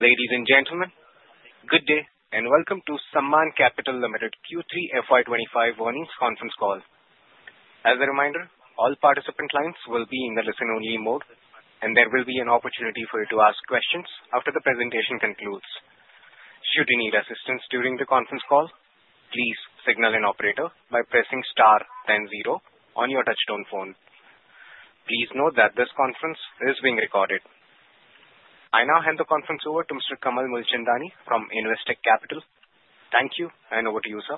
Ladies and gentlemen, good day and welcome to Sammaan Capital Ltd Q3 FY25 Earnings Conference Call. As a reminder, all participant lines will be in the listen-only mode, and there will be an opportunity for you to ask questions after the presentation concludes. Should you need assistance during the conference call, please signal an operator by pressing star then zero on your touch-tone phone. Please note that this conference is being recorded. I now hand the conference over to Mr. Kamal Mulchandani from Investec Capital. Thank you, and over to you, sir.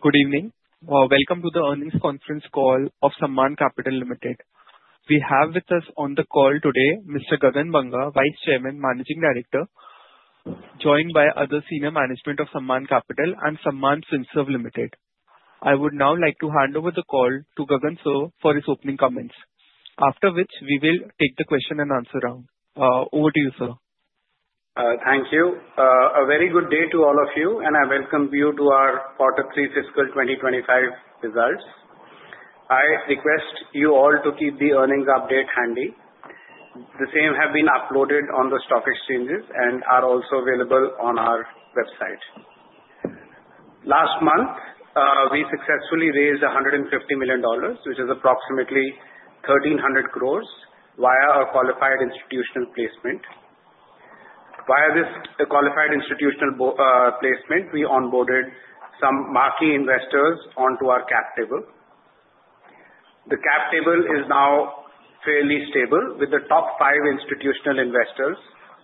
Good evening. Welcome to the earnings conference call of Sammaan Capital Ltd. We have with us on the call today, Mr. Gagan Banga, Vice Chairman, Managing Director, joined by other senior management of Sammaan Capital and Sammaan Finserve Ltd. I would now like to hand over the call to Gagan, sir, for his opening comments, after which we will take the question-and-answer round. Over to you, sir. Thank you. A very good day to all of you, and I welcome you to our Quarter Three Fiscal 2025 Results. I request you all to keep the earnings update handy. The same have been uploaded on the stock exchanges and are also available on our website. Last month, we successfully raised $150 million, which is approximately 1,300 crores, via our Qualified Institutional Placement. Via this Qualified Institutional Placement, we onboarded some marquee investors onto our cap table. The cap table is now fairly stable, with the top five institutional investors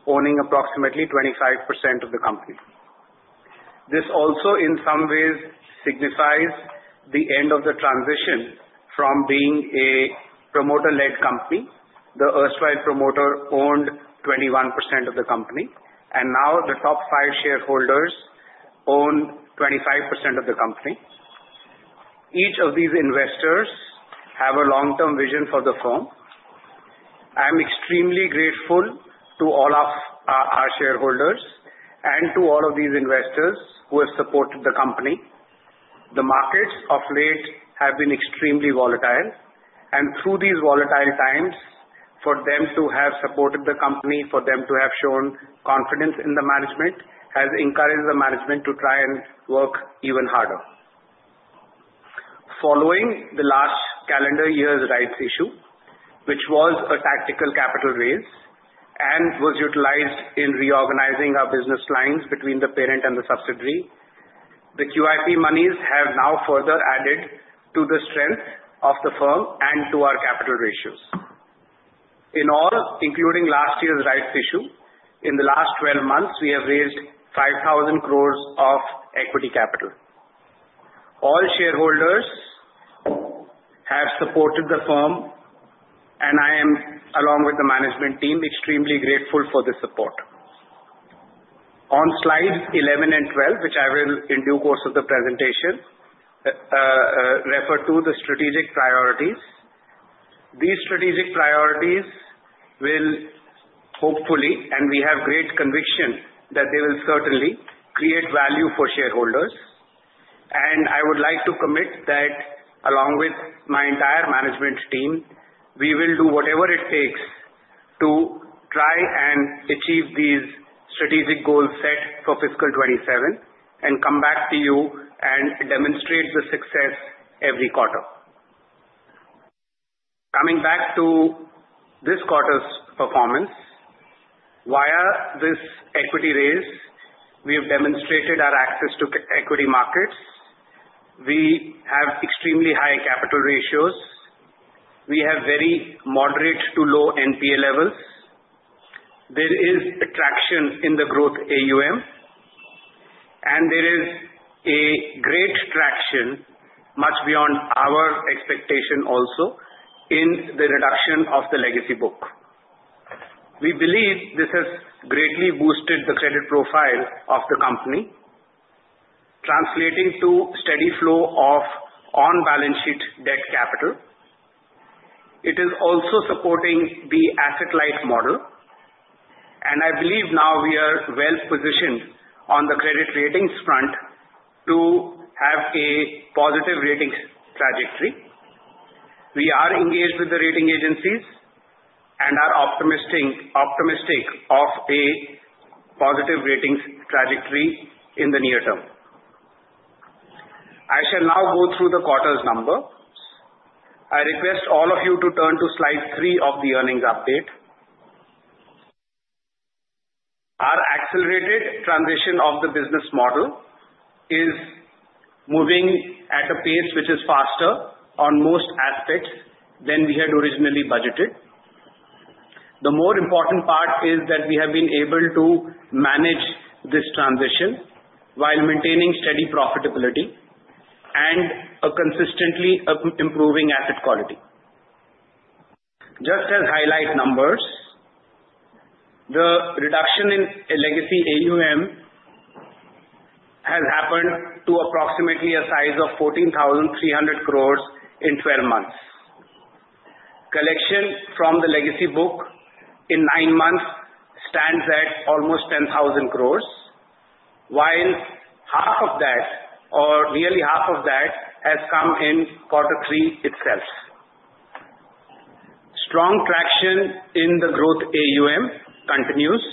owning approximately 25% of the company. This also, in some ways, signifies the end of the transition from being a promoter-led company. The erstwhile promoter owned 21% of the company, and now the top five shareholders own 25% of the company. Each of these investors has a long-term vision for the firm. I'm extremely grateful to all of our shareholders and to all of these investors who have supported the company. The markets of late have been extremely volatile, and through these volatile times, for them to have supported the company, for them to have shown confidence in the management, has encouraged the management to try and work even harder. Following the last calendar year's rights issue, which was a tactical capital raise and was utilized in reorganizing our business lines between the parent and the subsidiary, the QIP money have now further added to the strength of the firm and to our capital ratios. In all, including last year's rights issue, in the last 12 months, we have raised 5,000 crores of equity capital. All shareholders have supported the firm, and I am, along with the management team, extremely grateful for the support. On slides 11 and 12, which I will in due course of the presentation, refer to the strategic priorities. These strategic priorities will hopefully, and we have great conviction that they will certainly create value for shareholders, and I would like to commit that, along with my entire management team, we will do whatever it takes to try and achieve these strategic goals set for fiscal 2027 and come back to you and demonstrate the success every quarter. Coming back to this quarter's performance, via this equity raise, we have demonstrated our access to equity markets. We have extremely high capital ratios. We have very moderate to low NPA levels. There is traction in the Growth AUM, and there is a great traction, much beyond our expectation also, in the reduction of the legacy book. We believe this has greatly boosted the credit profile of the company, translating to a steady flow of on-balance sheet debt capital. It is also supporting the asset-light model, and I believe now we are well positioned on the credit ratings front to have a positive ratings trajectory. We are engaged with the rating agencies and are optimistic of a positive ratings trajectory in the near term. I shall now go through the quarter's numbers. I request all of you to turn to slide three of the earnings update. Our accelerated transition of the business model is moving at a pace which is faster on most aspects than we had originally budgeted. The more important part is that we have been able to manage this transition while maintaining steady profitability and a consistently improving asset quality. Just to highlight numbers, the reduction in Legacy AUM has happened to approximately a size of 14,300 crores in 12 months. Collection from the legacy book in nine months stands at almost 10,000 crores, while half of that, or nearly half of that, has come in quarter three itself. Strong traction in the Growth AUM continues.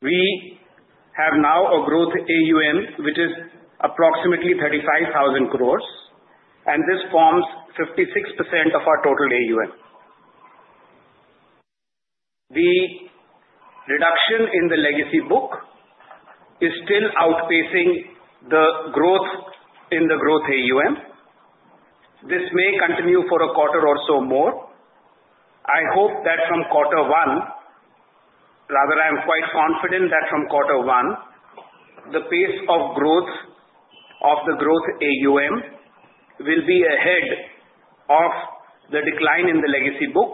We have now a Growth AUM which is approximately 35,000 crores, and this forms 56% of our total AUM. The reduction in the legacy book is still outpacing the growth in the Growth AUM. This may continue for a quarter or so more. I hope that from quarter one, rather, I am quite confident that from quarter one, the pace of growth of the Growth AUM will be ahead of the decline in the legacy book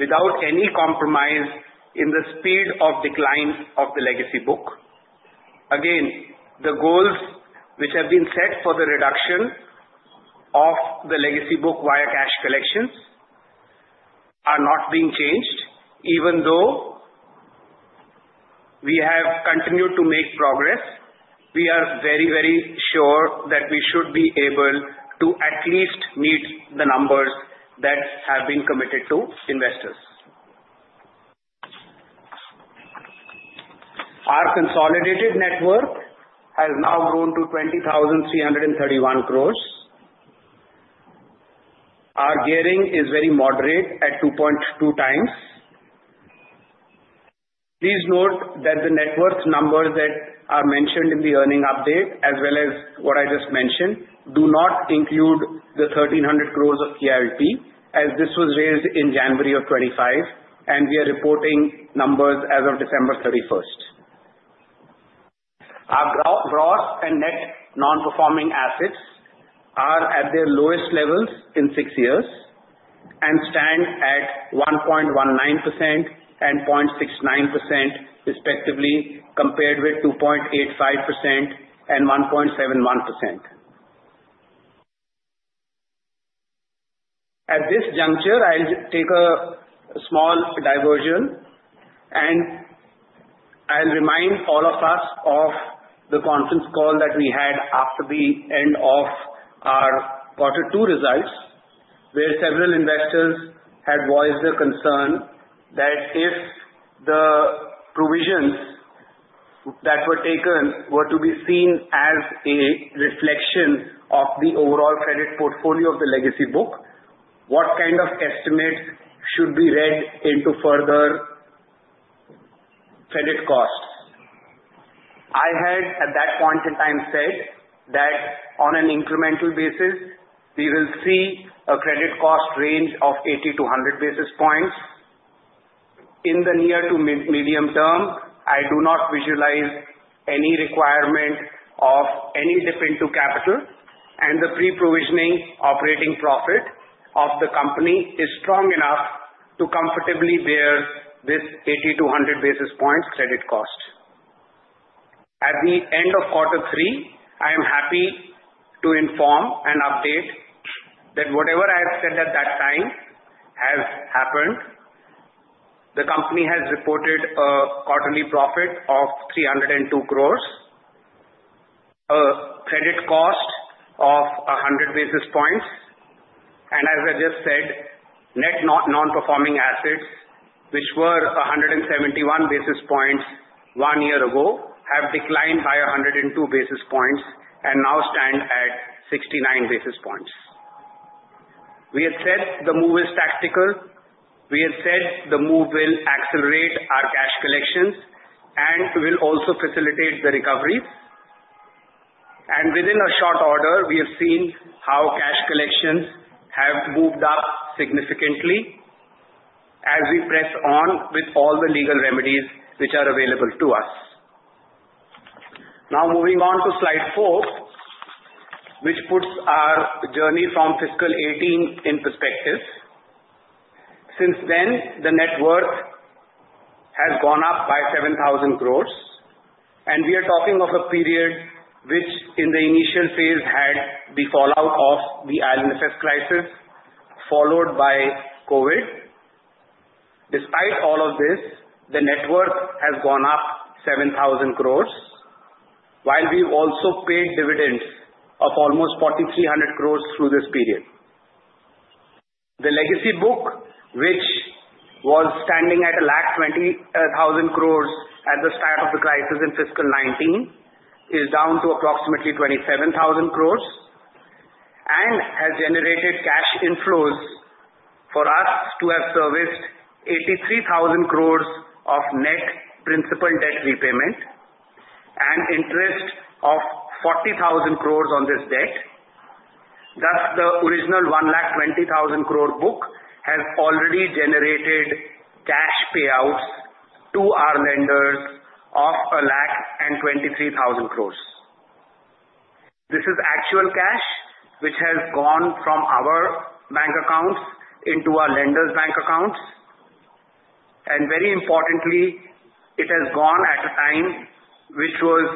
without any compromise in the speed of declines of the legacy book. Again, the goals which have been set for the reduction of the legacy book via cash collections are not being changed. Even though we have continued to make progress, we are very, very sure that we should be able to at least meet the numbers that have been committed to investors. Our consolidated net worth has now grown to 20,331 crores. Our gearing is very moderate at 2.2x. Please note that the net worth numbers that are mentioned in the earnings update, as well as what I just mentioned, do not include the 1,300 crores of QIP, as this was raised in January of 2025, and we are reporting numbers as of December 31st. Our gross and net non-performing assets are at their lowest levels in six years and stand at 1.19% and 0.69%, respectively, compared with 2.85% and 1.71%. At this juncture, I'll take a small diversion, and I'll remind all of us of the conference call that we had after the end of our quarter two results, where several investors had voiced a concern that if the provisions that were taken were to be seen as a reflection of the overall credit portfolio of the legacy book, what kind of estimates should be read into further credit costs. I had, at that point in time, said that on an incremental basis, we will see a credit cost range of 80-100 basis points. In the near to medium term, I do not visualize any requirement of any dip into capital, and the pre-provisioning operating profit of the company is strong enough to comfortably bear this 80-100 basis points credit cost. At the end of quarter three, I am happy to inform and update that whatever I had said at that time has happened. The company has reported a quarterly profit of 302 crores, a credit cost of 100 basis points, and as I just said, net non-performing assets, which were 171 basis points one year ago, have declined by 102 basis points and now stand at 69 basis points. We had said the move is tactical. We had said the move will accelerate our cash collections and will also facilitate the recoveries, and within a short order, we have seen how cash collections have moved up significantly as we press on with all the legal remedies which are available to us. Now, moving on to slide four, which puts our journey from fiscal 18 in perspective. Since then, the net worth has gone up by 7,000 crores, and we are talking of a period which, in the initial phase, had the fallout of the IL&FS crisis followed by COVID. Despite all of this, the net worth has gone up 7,000 crores, while we've also paid dividends of almost 4,300 crores through this period. The legacy book, which was standing at 120,000 crores at the start of the crisis in fiscal 2019, is down to approximately 27,000 crores and has generated cash inflows for us to have serviced 83,000 crores of net principal debt repayment and interest of 40,000 crores on this debt. Thus, the original 120,000 crore book has already generated cash payouts to our lenders of 123,000 crores. This is actual cash which has gone from our bank accounts into our lenders' bank accounts. And very importantly, it has gone at a time which was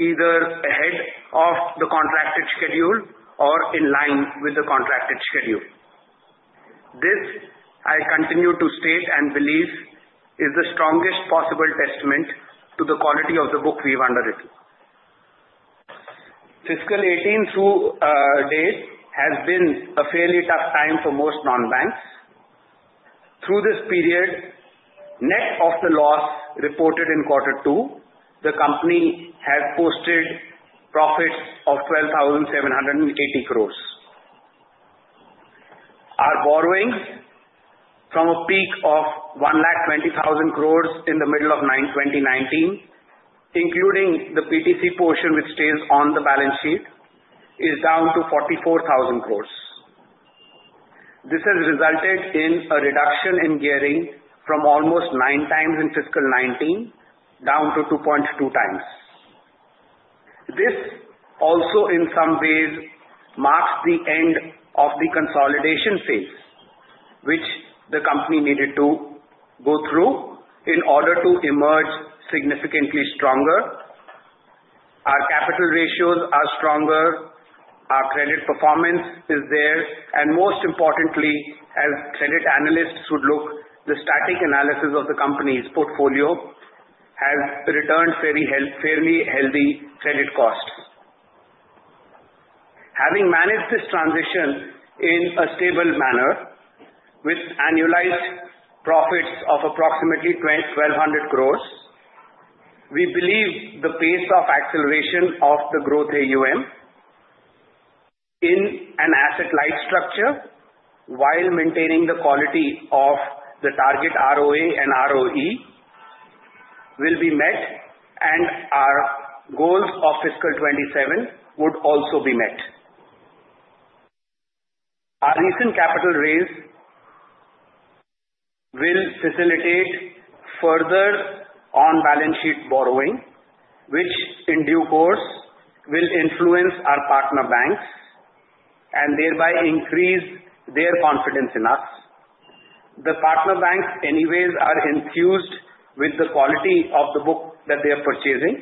either ahead of the contracted schedule or in line with the contracted schedule. This, I continue to state and believe, is the strongest possible testament to the quality of the book we've undertaken. Fiscal 2018 through date has been a fairly tough time for most non-banks. Through this period, net of the loss reported in quarter two, the company has posted profits of 12,780 crores. Our borrowing from a peak of 120,000 crores in the middle of 2019, including the PTC portion which stays on the balance sheet, is down to 44,000 crores. This has resulted in a reduction in gearing from almost 9x in fiscal 2019 down to 2.2xs. This also, in some ways, marks the end of the consolidation phase which the company needed to go through in order to emerge significantly stronger. Our capital ratios are stronger. Our credit performance is there. And most importantly, as credit analysts would look, the static analysis of the company's portfolio has returned fairly healthy credit costs. Having managed this transition in a stable manner with annualized profits of approximately 1,200 crores, we believe the pace of acceleration of the Growth AUM in an asset light structure while maintaining the quality of the target ROA and ROE will be met, and our goals of fiscal 2027 would also be met. Our recent capital raise will facilitate further on-balance sheet borrowing, which in due course will influence our partner banks and thereby increase their confidence in us. The partner banks, anyways, are enthused with the quality of the book that they are purchasing,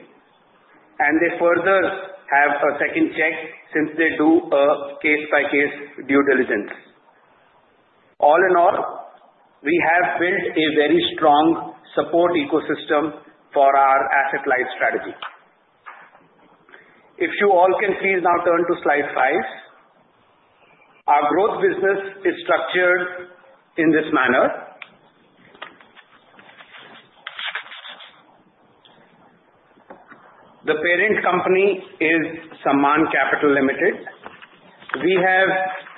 and they further have a second check since they do a case-by-case due diligence. All in all, we have built a very strong support ecosystem for our asset light strategy. If you all can please now turn to slide five, our growth business is structured in this manner. The parent company is Sammaan Capital Ltd. We have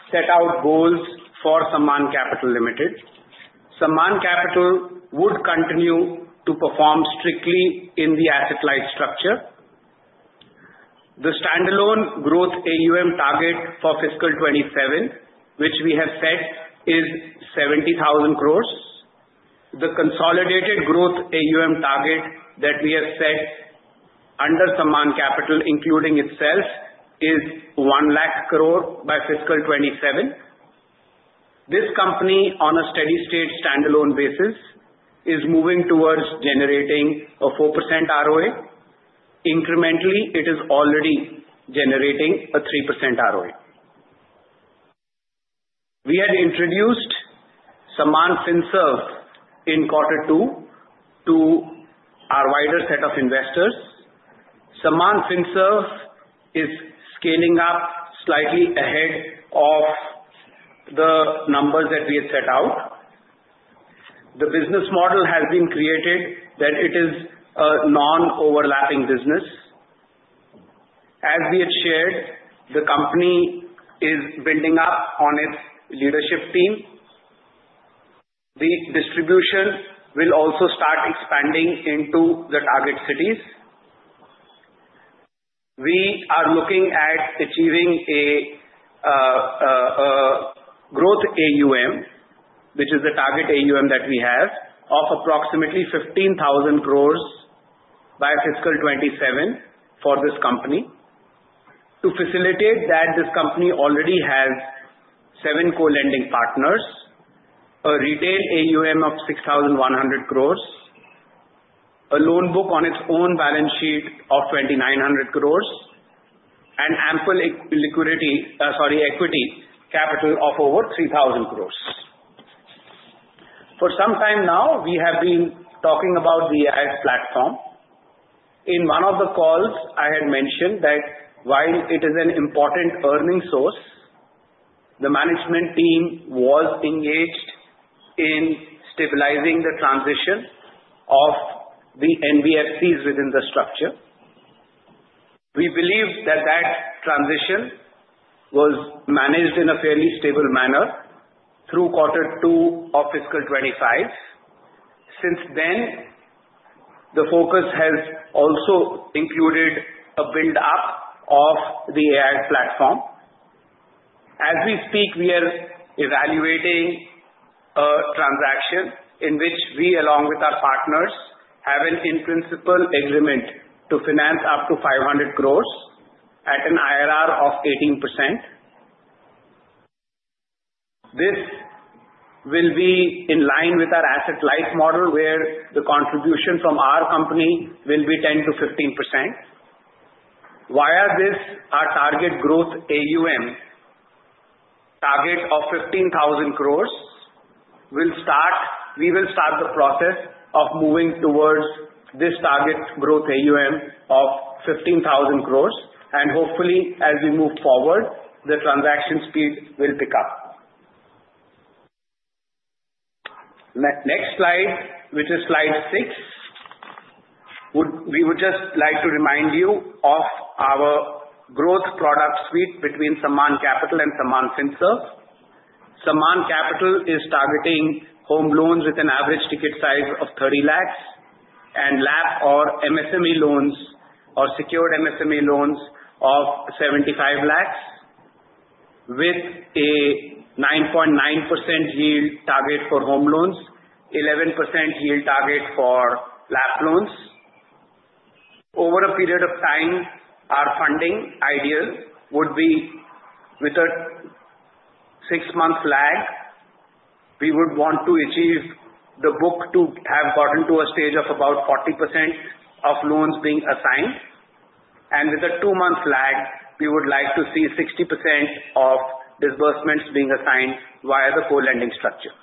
set out goals for Sammaan Capital Ltd. Sammaan Capital would continue to perform strictly in the asset light structure. The standalone Growth AUM target for fiscal 27, which we have set, is 70,000 crores. The consolidated Growth AUM target that we have set under Sammaan Capital, including itself, is 1 lakh crore by fiscal 27. This company, on a steady-state standalone basis, is moving towards generating a 4% ROA. Incrementally, it is already generating a 3% ROA. We had introduced Sammaan Finserve in quarter two to our wider set of investors. Sammaan Finserve is scaling up slightly ahead of the numbers that we had set out. The business model has been created that it is a non-overlapping business. As we had shared, the company is building up on its leadership team. The distribution will also start expanding into the target cities. We are looking at achieving a Growth AUM, which is the target AUM that we have, of approximately 15,000 crores by fiscal 27 for this company. To facilitate that, this company already has seven co-lending partners, a retail AUM of 6,100 crores, a loan book on its own balance sheet of 2,900 crores, and ample equity capital of over 3,000 crores. For some time now, we have been talking about the AIF platform. In one of the calls, I had mentioned that while it is an important earning source, the management team was engaged in stabilizing the transition of the NBFCs within the structure. We believe that that transition was managed in a fairly stable manner through quarter two of fiscal 25. Since then, the focus has also included a build-up of the AIF platform. As we speak, we are evaluating a transaction in which we, along with our partners, have an in-principle agreement to finance up to 500 crores at an IRR of 18%. This will be in line with our asset light model, where the contribution from our company will be 10%-15%. Via this, our target Growth AUM, target of 15,000 crores, will start. We will start the process of moving towards this target Growth AUM of 15,000 crores, and hopefully, as we move forward, the transaction speed will pick up. Next slide, which is slide six, we would just like to remind you of our growth product suite between Sammaan Capital and Sammaan Finserve. Sammaan Capital is targeting home loans with an average ticket size of 30 lakhs and LAP or MSME loans or secured MSME loans of 75 lakhs, with a 9.9% yield target for home loans, 11% yield target for LAP loans. Over a period of time, our funding ideal would be with a six-month lag. We would want to achieve the book to have gotten to a stage of about 40% of loans being assigned. And with a two-month lag, we would like to see 60% of disbursements being assigned via the co-lending structure.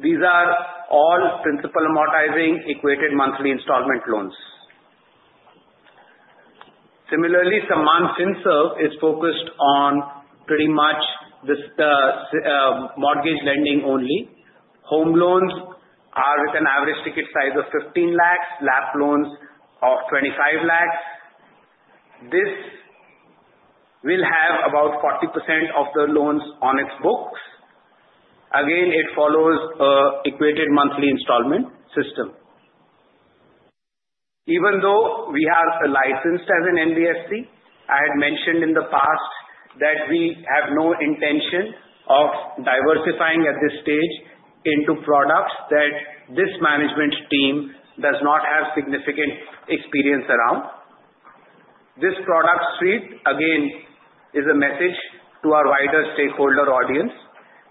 These are all principal amortizing Equated Monthly Installment loans. Similarly, Sammaan Finserve is focused on pretty much mortgage lending only. Home loans are with an average ticket size of 15 lakhs, LAP loans of 25 lakhs. This will have about 40% of the loans on its books. Again, it follows an Equated Monthly Installment system. Even though we are licensed as an NBFC, I had mentioned in the past that we have no intention of diversifying at this stage into products that this management team does not have significant experience around. This product suite, again, is a message to our wider stakeholder audience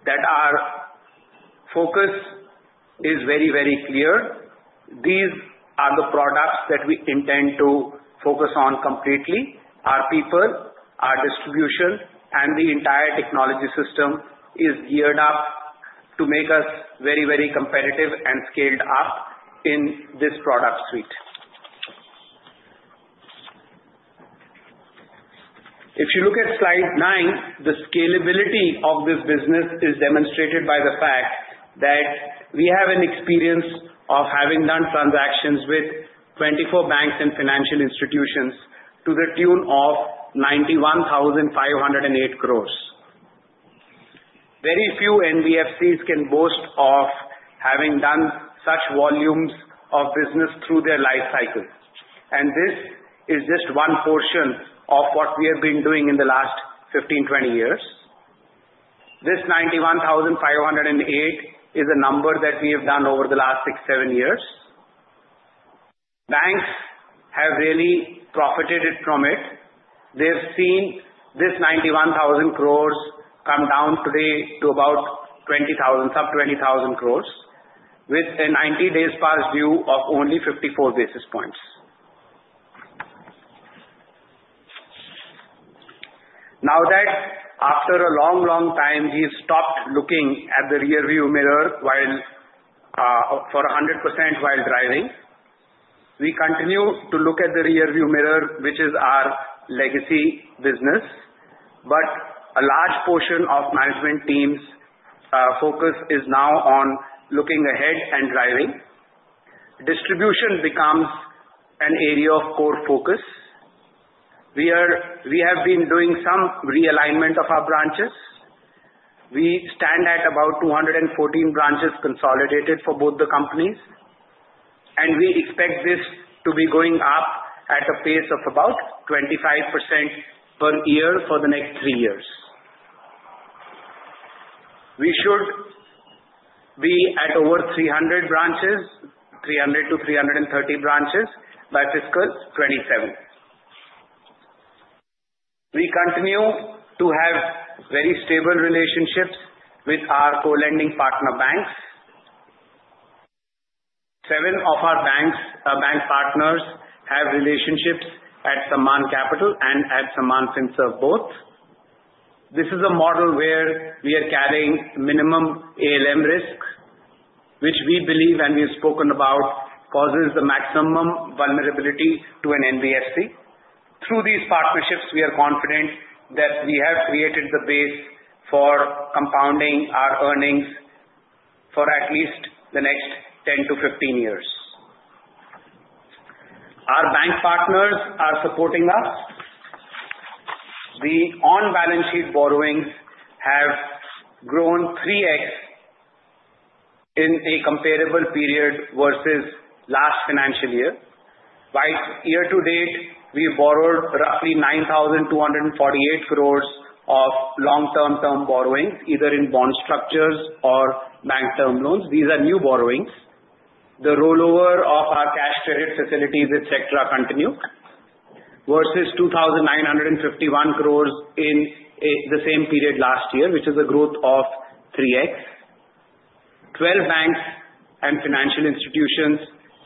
that our focus is very, very clear. These are the products that we intend to focus on completely. Our people, our distribution, and the entire technology system is geared up to make us very, very competitive and scaled up in this product suite. If you look at slide nine, the scalability of this business is demonstrated by the fact that we have an experience of having done transactions with 24 banks and financial institutions to the tune of 91,508 crores. Very few NBFCs can boast of having done such volumes of business through their life cycle. This is just one portion of what we have been doing in the last 15, 20 years. This 91,508 is a number that we have done over the last six, seven years. Banks have really profited from it. They've seen this 91,000 crores come down today to about 20,000, sub 20,000 crores, with a 90-day past due of only 54 basis points. Now, after a long, long time, we've stopped looking at the rearview mirror for 100% while driving. We continue to look at the rearview mirror, which is our legacy business. But a large portion of management team's focus is now on looking ahead and driving. Distribution becomes an area of core focus. We have been doing some realignment of our branches. We stand at about 214 branches consolidated for both the companies. We expect this to be going up at a pace of about 25% per year for the next three years. We should be at over 300 branches, 300-330 branches by fiscal 2027. We continue to have very stable relationships with our co-lending partner banks. Seven of our bank partners have relationships at Sammaan Capital and at Sammaan Finserve both. This is a model where we are carrying minimum ALM risk, which we believe, and we have spoken about, causes the maximum vulnerability to an NBFC. Through these partnerships, we are confident that we have created the base for compounding our earnings for at least the next 10 to 15 years. Our bank partners are supporting us. The on-balance sheet borrowings have grown 3x in a comparable period versus last financial year. By year to date, we have borrowed roughly 9,248 crores of long-term term borrowings, either in bond structures or bank term loans. These are new borrowings. The rollover of our cash-traded facilities, etc., continues versus 2,951 crores in the same period last year, which is a growth of 3x. 12 banks and financial institutions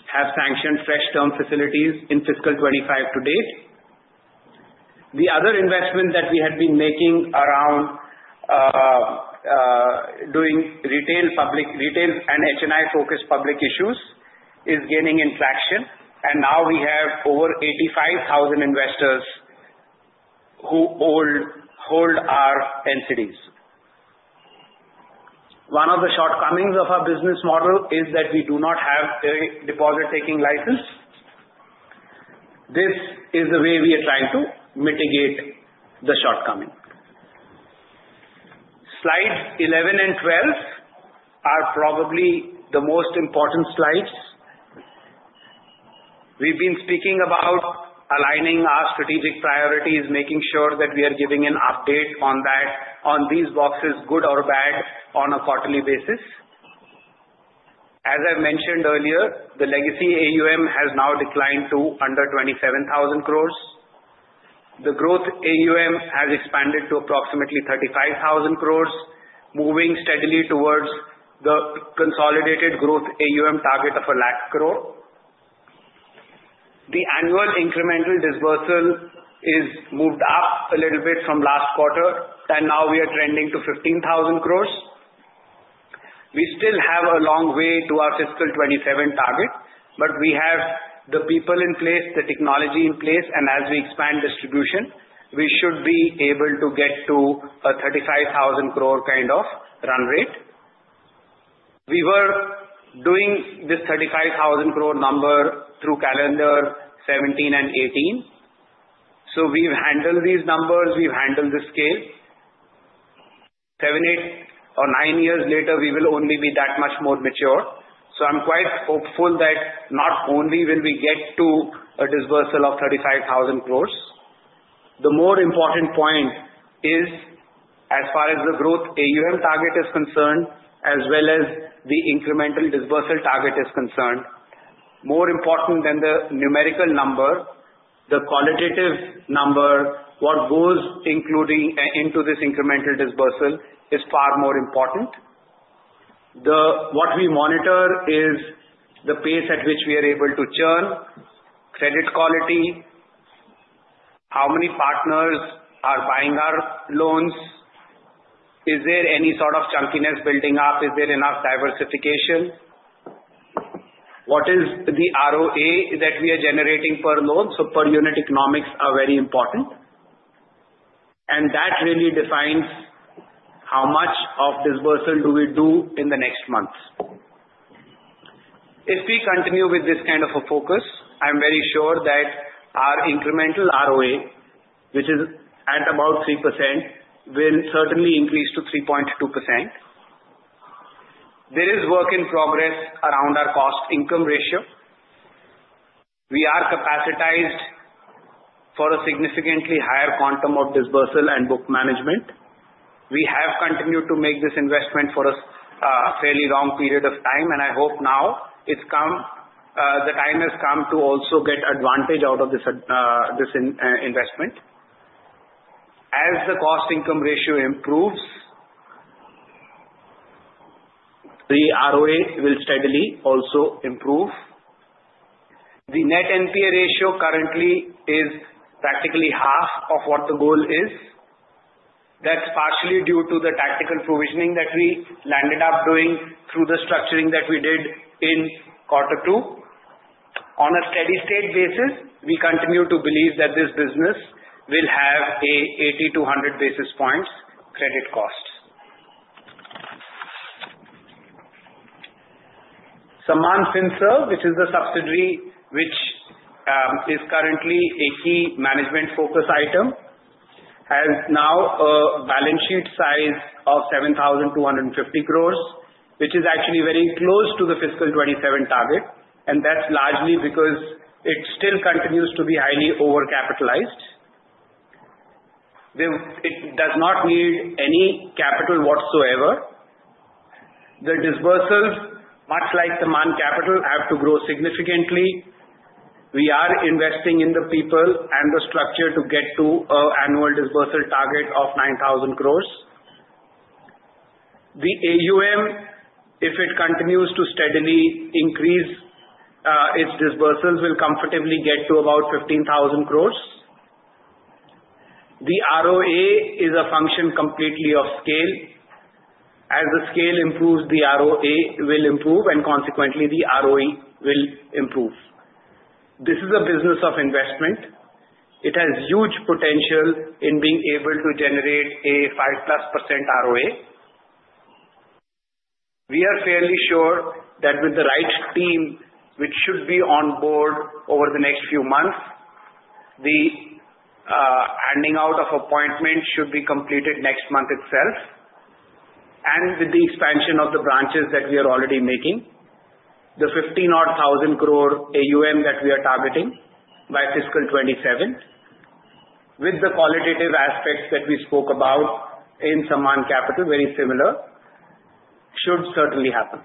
have sanctioned fresh term facilities in fiscal 2025 to date. The other investment that we had been making around doing retail and HNI-focused public issues is gaining traction, and now we have over 85,000 investors who hold our entities. One of the shortcomings of our business model is that we do not have a deposit-taking license. This is the way we are trying to mitigate the shortcoming. Slide 11 and 12 are probably the most important slides. We've been speaking about aligning our strategic priorities, making sure that we are giving an update on these boxes, good or bad, on a quarterly basis. As I mentioned earlier, the Legacy AUM has now declined to under 27,000 crores. The Growth AUM has expanded to approximately 35,000 crores, moving steadily towards the consolidated Growth AUM target of 1 lakh crore. The annual incremental disbursal is moved up a little bit from last quarter, and now we are trending to 15,000 crores. We still have a long way to our fiscal 2027 target, but we have the people in place, the technology in place, and as we expand distribution, we should be able to get to a 35,000 crore kind of run rate. We were doing this 35,000 crore number through calendar 2017 and 2018. So we've handled these numbers. We've handled the scale. Seven, eight, or nine years later, we will only be that much more mature. So I'm quite hopeful that not only will we get to a disbursal of 35,000 crores. The more important point is, as far as the Growth AUM target is concerned, as well as the incremental disbursal target is concerned, more important than the numerical number, the qualitative number, what goes into this incremental disbursal is far more important. What we monitor is the pace at which we are able to churn, credit quality, how many partners are buying our loans, is there any sort of chunkiness building up, is there enough diversification, what is the ROA that we are generating per loan. So per unit economics are very important. And that really defines how much of disbursal do we do in the next months. If we continue with this kind of a focus, I'm very sure that our incremental ROA, which is at about 3%, will certainly increase to 3.2%. There is work in progress around our cost-income ratio. We are capacitized for a significantly higher quantum of disbursal and book management. We have continued to make this investment for a fairly long period of time, and I hope now the time has come to also get advantage out of this investment. As the cost-income ratio improves, the ROA will steadily also improve. The net NPA ratio currently is practically half of what the goal is. That's partially due to the tactical provisioning that we landed up doing through the structuring that we did in quarter two. On a steady-state basis, we continue to believe that this business will have an 80 to 100 basis points credit cost. Sammaan Finserve, which is the subsidiary which is currently a key management focus item, has now a balance sheet size of 7,250 crores, which is actually very close to the fiscal 2027 target, and that's largely because it still continues to be highly over-capitalized. It does not need any capital whatsoever. The disbursals, much like Sammaan Capital, have to grow significantly. We are investing in the people and the structure to get to an annual disbursal target of 9,000 crores. The AUM, if it continues to steadily increase its disbursals, will comfortably get to about 15,000 crores. The ROA is a function completely of scale. As the scale improves, the ROA will improve, and consequently, the ROE will improve. This is a business of investment. It has huge potential in being able to generate a 5+% ROA. We are fairly sure that with the right team, which should be on board over the next few months, the handing out of appointments should be completed next month itself. And with the expansion of the branches that we are already making, the 15-odd thousand crore AUM that we are targeting by fiscal 2027, with the qualitative aspects that we spoke about in Sammaan Capital, very similar, should certainly happen.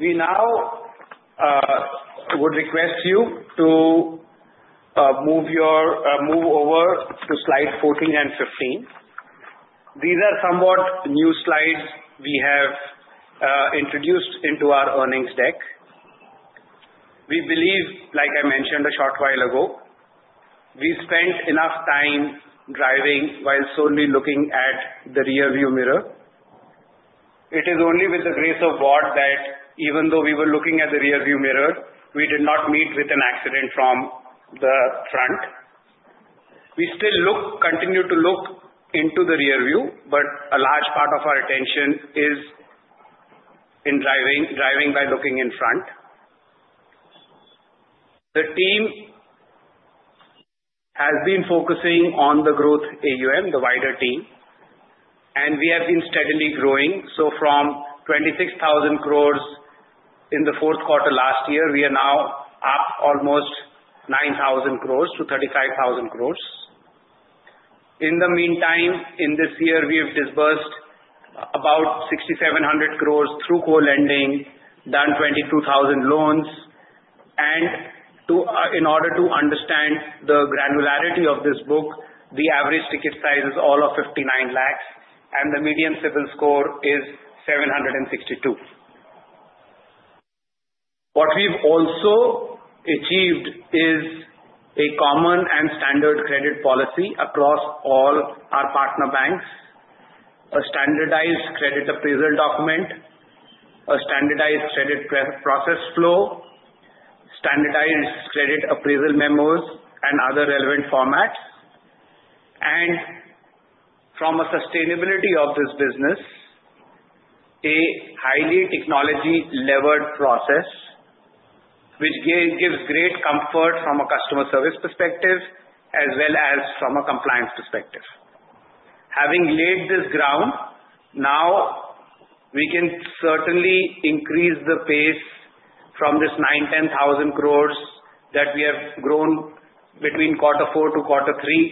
We now would request you to move over to slide 14 and 15. These are somewhat new slides we have introduced into our earnings deck. We believe, like I mentioned a short while ago, we spent enough time driving while solely looking at the rearview mirror. It is only with the grace of God that even though we were looking at the rearview mirror, we did not meet with an accident from the front. We still continue to look into the rearview, but a large part of our attention is in driving by looking in front. The team has been focusing on the Growth AUM, the wider team, and we have been steadily growing, so from 26,000 crores in the fourth quarter last year, we are now up almost 9,000 crores to 35,000 crores. In the meantime, in this year, we have disbursed about 6,700 crores through co-lending, done 22,000 loans, and in order to understand the granularity of this book, the average ticket size is all of 59 lakhs, and the median CIBIL score is 762. What we've also achieved is a common and standard credit policy across all our partner banks, a standardized credit appraisal document, a standardized credit process flow, standardized credit appraisal memos, and other relevant formats. And from a sustainability of this business, a highly technology-levered process, which gives great comfort from a customer service perspective as well as from a compliance perspective. Having laid this ground, now we can certainly increase the pace from this 9-10 thousand crores that we have grown between quarter four to quarter three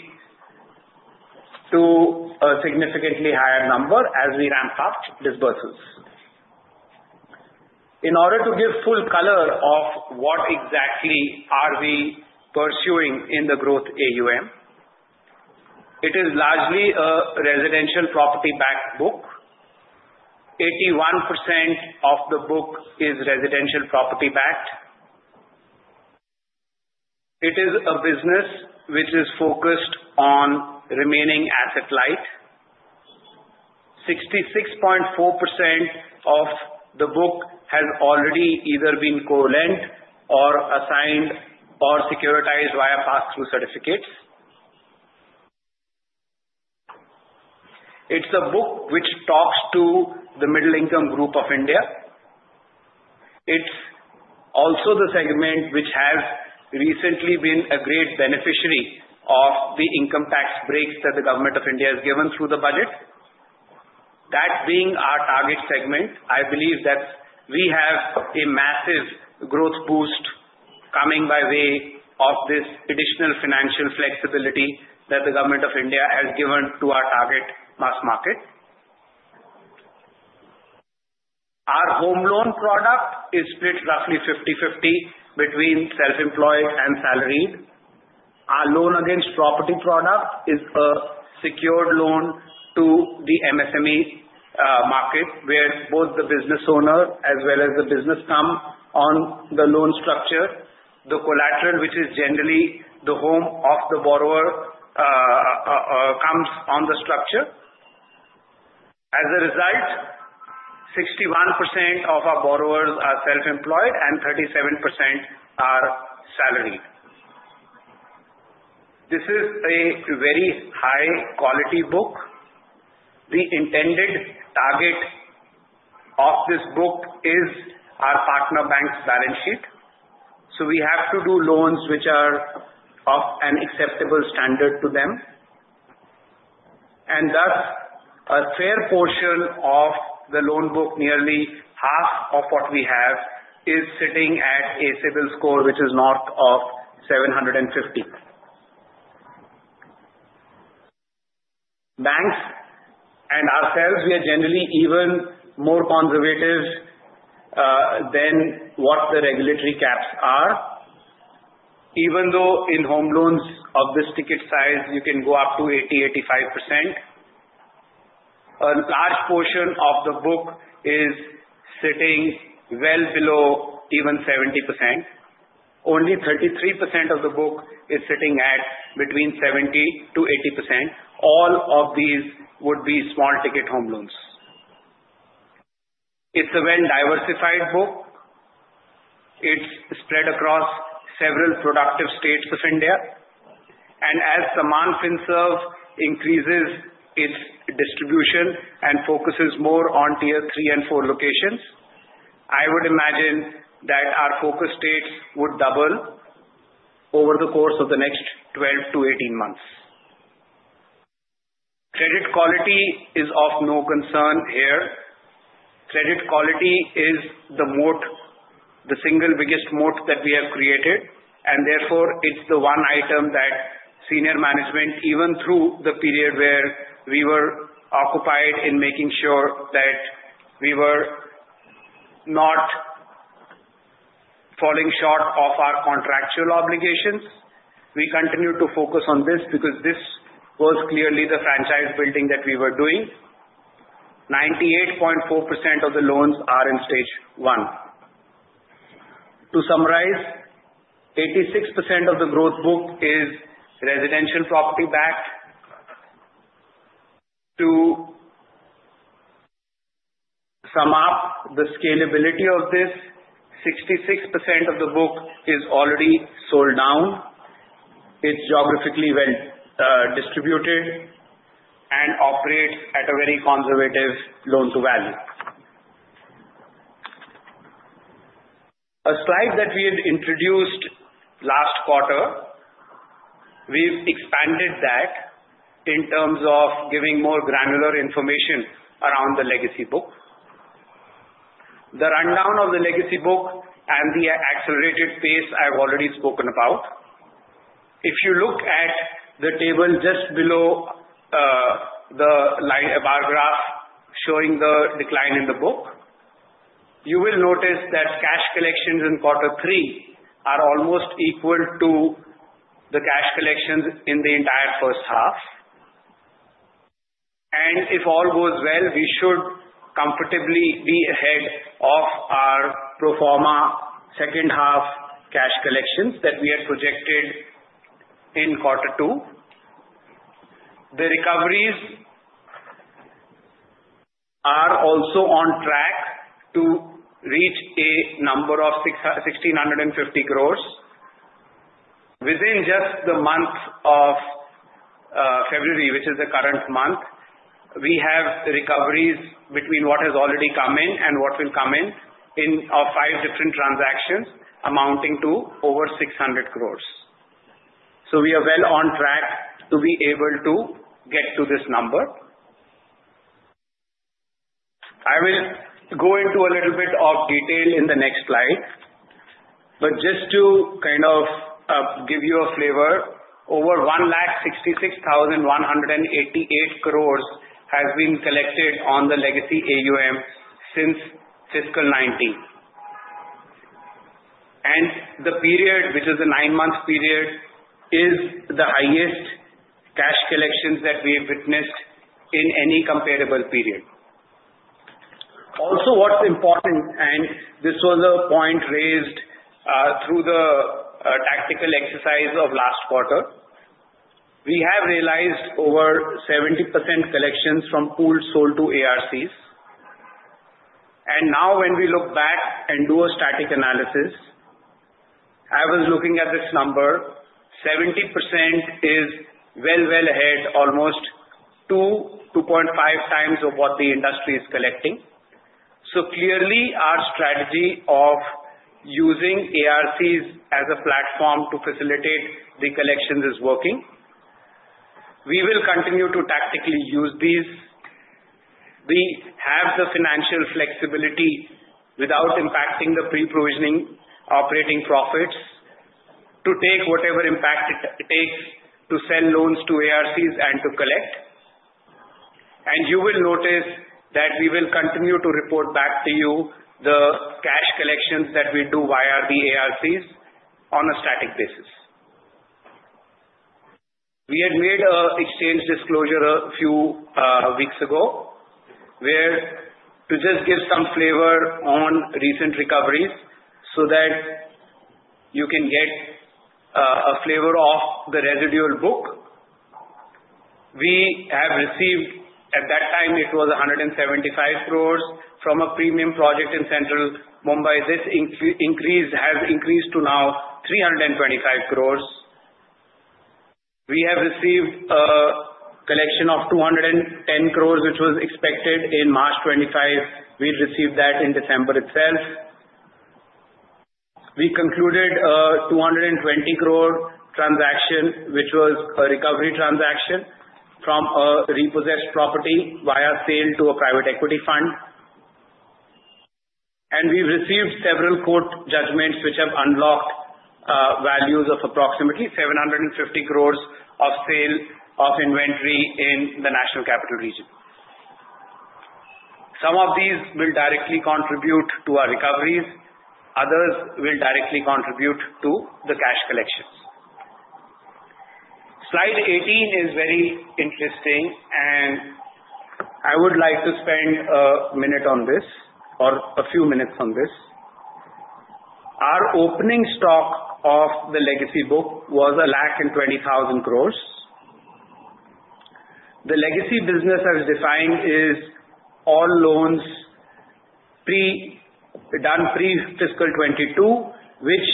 to a significantly higher number as we ramp up disbursals. In order to give full color of what exactly are we pursuing in the Growth AUM, it is largely a residential property-backed book. 81% of the book is residential property-backed. It is a business which is focused on remaining asset light. 66.4% of the book has already either been co-lent or assigned or securitized via Pass-Through Certificates. It's a book which talks to the middle-income group of India. It's also the segment which has recently been a great beneficiary of the income tax breaks that the Government of India has given through the budget. That being our target segment, I believe that we have a massive growth boost coming by way of this additional financial flexibility that the Government of India has given to our target mass market. Our home loan product is split roughly 50/50 between self-employed and salaried. Our Loan Against Property product is a secured loan to the MSME market, where both the business owner as well as the business come on the loan structure. The collateral, which is generally the home of the borrower, comes on the structure. As a result, 61% of our borrowers are self-employed and 37% are salaried. This is a very high-quality book. The intended target of this book is our partner banks' balance sheet. So we have to do loans which are of an acceptable standard to them. And thus, a fair portion of the loan book, nearly half of what we have, is sitting at a CIBIL score which is north of 750. Banks and ourselves, we are generally even more conservative than what the regulatory caps are. Even though in home loans of this ticket size, you can go up to 80-85%, a large portion of the book is sitting well below even 70%. Only 33% of the book is sitting at between 70-80%. All of these would be small-ticket home loans. It's a well-diversified book. It's spread across several productive states of India. And as Sammaan Finserve increases its distribution and focuses more on Tier 3 and 4 locations, I would imagine that our focus states would double over the course of the next 12-18 months. Credit quality is of no concern here. Credit quality is the single biggest moat that we have created. And therefore, it's the one item that senior management, even through the period where we were occupied in making sure that we were not falling short of our contractual obligations, we continue to focus on this because this was clearly the franchise building that we were doing. 98.4% of the loans are in Stage 1. To summarize, 86% of the growth book is residential property-backed. To sum up the scalability of this, 66% of the book is already sold down. It's geographically well distributed and operates at a very conservative loan-to-value. A slide that we had introduced last quarter, we've expanded that in terms of giving more granular information around the legacy book. The rundown of the legacy book and the accelerated pace I've already spoken about. If you look at the table just below the bar graph showing the decline in the book, you will notice that cash collections in quarter three are almost equal to the cash collections in the entire first half, and if all goes well, we should comfortably be ahead of our pro forma second half cash collections that we had projected in quarter two. The recoveries are also on track to reach a number of 1,650 crores. Within just the month of February, which is the current month, we have recoveries between what has already come in and what will come in of five different transactions amounting to over 600 crores. So we are well on track to be able to get to this number. I will go into a little bit of detail in the next slide. But just to kind of give you a flavor, over 166,188 crores has been collected on the Legacy AUM since fiscal 2019. And the period, which is the nine-month period, is the highest cash collections that we have witnessed in any comparable period. Also, what's important, and this was a point raised through the tactical exercise of last quarter, we have realized over 70% collections from pooled sold-to ARCs. And now when we look back and do a static analysis, I was looking at this number. 70% is well, well ahead, almost 2-2.5x of what the industry is collecting. So clearly, our strategy of using ARCs as a platform to facilitate the collections is working. We will continue to tactically use these. We have the financial flexibility without impacting the pre-provisioning operating profits to take whatever impact it takes to send loans to ARCs and to collect, and you will notice that we will continue to report back to you the cash collections that we do via the ARCs on a static basis. We had made an exchange disclosure a few weeks ago, where to just give some flavor on recent recoveries so that you can get a flavor of the residual book. We have received. At that time, it was 175 crores from a premium project in Central Mumbai. This increase has increased to now 325 crores. We have received a collection of 210 crores, which was expected in March 2025. We received that in December itself. We concluded a 220 crore transaction, which was a recovery transaction from a repossessed property via sale to a private equity fund, and we've received several court judgments which have unlocked values of approximately 750 crores of sale of inventory in the National Capital Region. Some of these will directly contribute to our recoveries. Others will directly contribute to the cash collections. Slide 18 is very interesting, and I would like to spend a minute on this or a few minutes on this. Our opening stock of the legacy book was 120,000 crores. The legacy business as defined is all loans done pre-fiscal 2022, which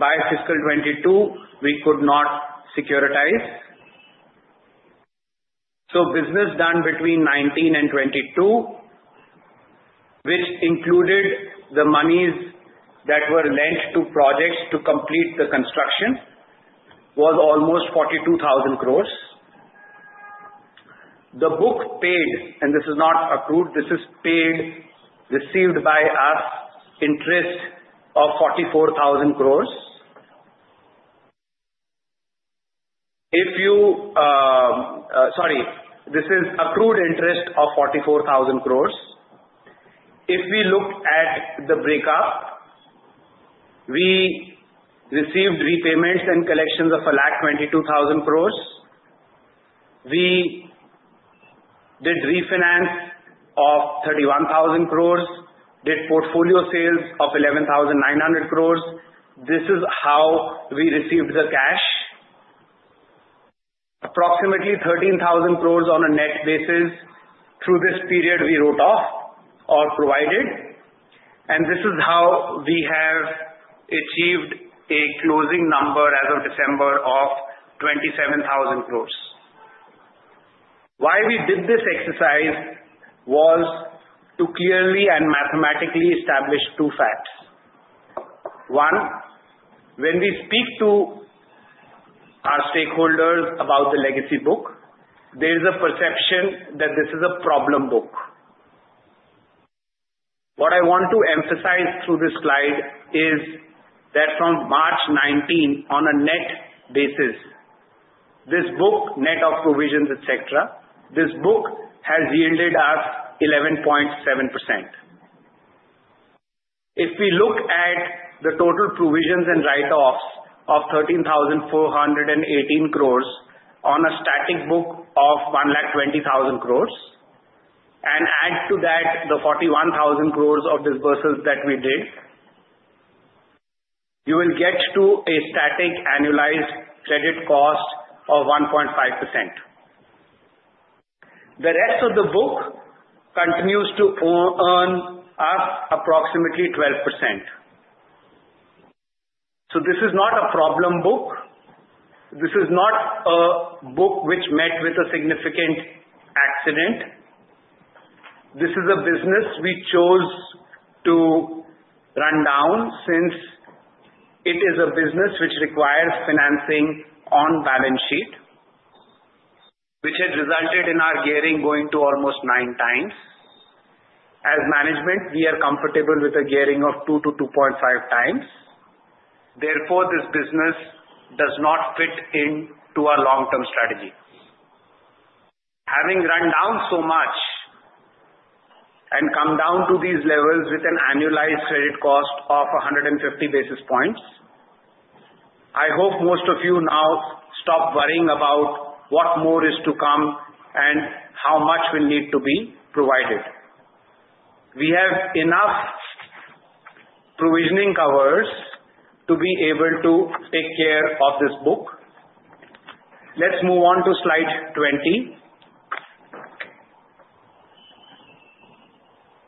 by fiscal 2022, we could not securitize. So business done between 2019 and 2022, which included the monies that were lent to projects to complete the construction, was almost 42,000 crores. The book paid, and this is not accrued, this is paid, received by us interest of INR 44,000 crores. Sorry. This is accrued interest of 44,000 crores. If we look at the break-up, we received repayments and collections of 1,22,000 crores. We did refinance of 31,000 crores, did portfolio sales of 11,900 crores. This is how we received the cash. Approximately 13,000 crores on a net basis, through this period we wrote off or provided, and this is how we have achieved a closing number as of December of 27,000 crores. Why we did this exercise was to clearly and mathematically establish two facts. One, when we speak to our stakeholders about the legacy book, there is a perception that this is a problem book. What I want to emphasize through this slide is that from March 19, on a net basis, this book, net of provisions, etc., this book has yielded us 11.7%. If we look at the total provisions and write-offs of 13,418 crores on a static book of 120,000 crores, and add to that the 41,000 crores of disbursals that we did, you will get to a static annualized credit cost of 1.5%. The rest of the book continues to earn us approximately 12%. So this is not a problem book. This is not a book which met with a significant accident. This is a business we chose to run down since it is a business which requires financing on balance sheet, which has resulted in our gearing going to almost 9x. As management, we are comfortable with a gearing of 2-2.5x. Therefore, this business does not fit into our long-term strategy. Having run down so much and come down to these levels with an annualized credit cost of 150 basis points, I hope most of you now stop worrying about what more is to come and how much will need to be provided. We have enough provisioning covers to be able to take care of this book. Let's move on to slide 20.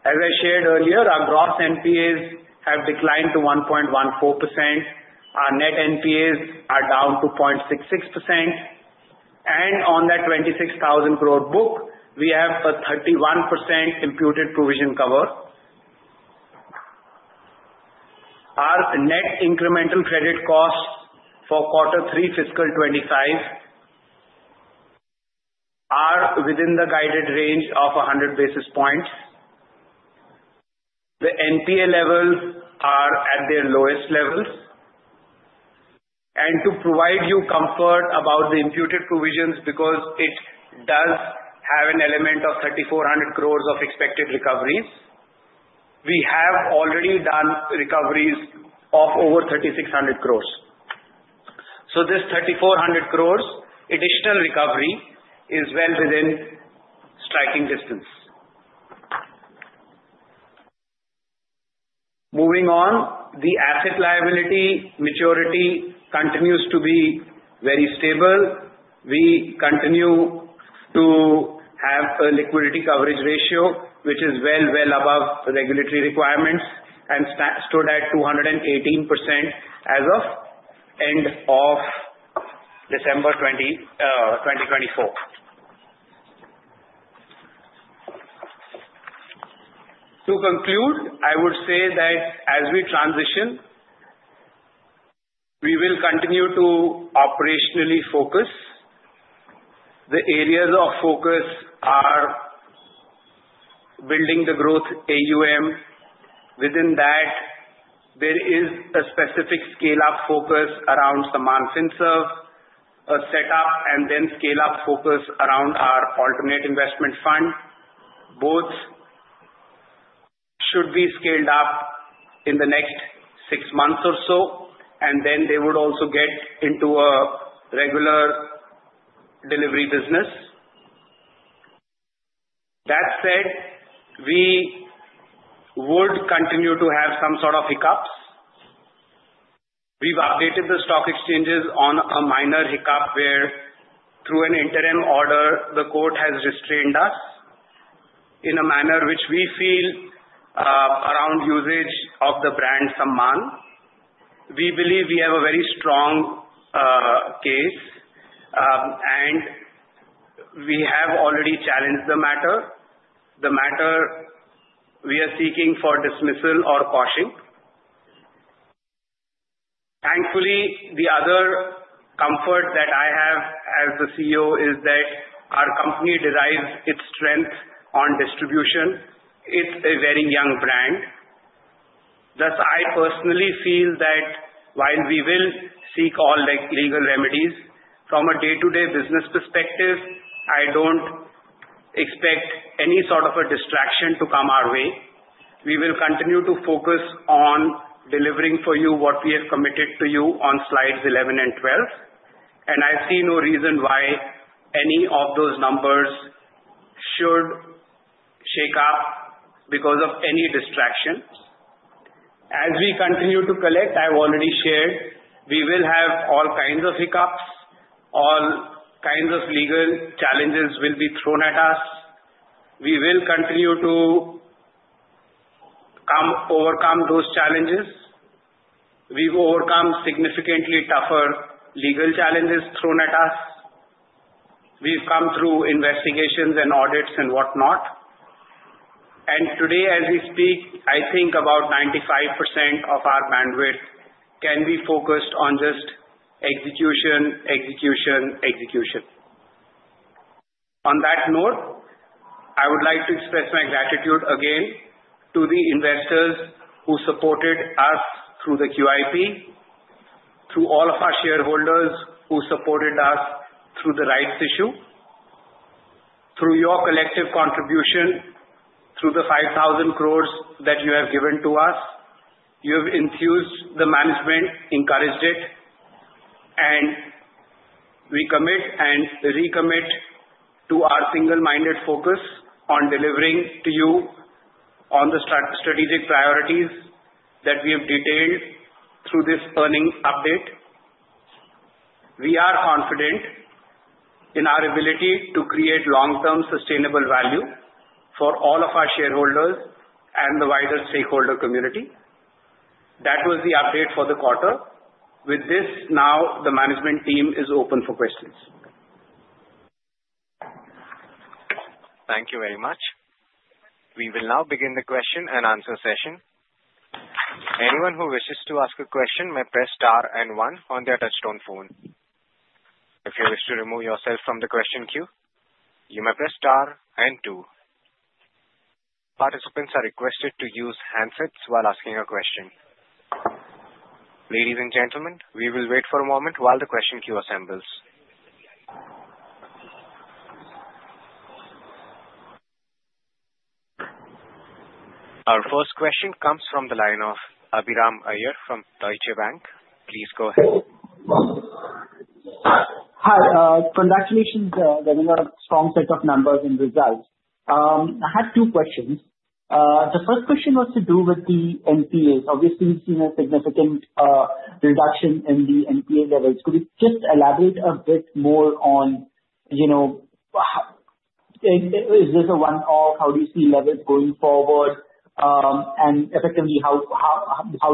As I shared earlier, our gross NPAs have declined to 1.14%. Our net NPAs are down to 0.66%. And on that 26,000-crore book, we have a 31% imputed provision cover. Our net incremental credit cost for quarter three fiscal 2025 are within the guided range of 100 basis points. The NPA levels are at their lowest levels. And to provide you comfort about the imputed provisions because it does have an element of 3,400 crores of expected recoveries, we have already done recoveries of over 3,600 crores. So this 3,400 crores additional recovery is well within striking distance. Moving on, the asset liability maturity continues to be very stable. We continue to have a liquidity coverage ratio, which is well, well above regulatory requirements and stood at 218% as of end of December 2024. To conclude, I would say that as we transition, we will continue to operationally focus. The areas of focus are building the Growth AUM. Within that, there is a specific scale-up focus around Sammaan Finserve, a setup, and then scale-up focus around our alternative investment fund. Both should be scaled up in the next six months or so, and then they would also get into a regular delivery business. That said, we would continue to have some sort of hiccups. We've updated the stock exchanges on a minor hiccup where, through an interim order, the court has restrained us in a manner which we feel around usage of the brand Sammaan. We believe we have a very strong case, and we have already challenged the matter. The matter we are seeking for dismissal or vacation. Thankfully, the other comfort that I have as the CEO is that our company derives its strength on distribution. It's a very young brand. Thus, I personally feel that while we will seek all legal remedies from a day-to-day business perspective, I don't expect any sort of a distraction to come our way. We will continue to focus on delivering for you what we have committed to you on slides 11 and 12. I see no reason why any of those numbers should shake up because of any distraction. As we continue to collect, I've already shared, we will have all kinds of hiccups. All kinds of legal challenges will be thrown at us. We will continue to overcome those challenges. We've overcome significantly tougher legal challenges thrown at us. We've come through investigations and audits and whatnot. Today, as we speak, I think about 95% of our bandwidth can be focused on just execution, execution, execution. On that note, I would like to express my gratitude again to the investors who supported us through the QIP, through all of our shareholders who supported us through the rights issue, through your collective contribution, through the 5,000 crores that you have given to us. You have enthused the management, encouraged it. We commit and recommit to our single-minded focus on delivering to you on the strategic priorities that we have detailed through this earnings update. We are confident in our ability to create long-term sustainable value for all of our shareholders and the wider stakeholder community. That was the update for the quarter. With this, now the management team is open for questions. Thank you very much. We will now begin the question and answer session. Anyone who wishes to ask a question may press star and one on their touch-tone phone. If you wish to remove yourself from the question queue, you may press star and two. Participants are requested to use handsets while asking a question. Ladies and gentlemen, we will wait for a moment while the question queue assembles. Our first question comes from the line of Abhiram Iyer from Deutsche Bank. Please go ahead. Hi. Congratulations. There's been a strong set of numbers and results. I had two questions. The first question was to do with the NPAs. Obviously, we've seen a significant reduction in the NPA levels. Could you just elaborate a bit more on is this a one-off? How do you see levels going forward? And effectively, how